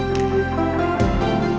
mas cantik banget